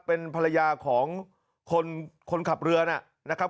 เป็นภรรยาของคนขับเรือนะครับ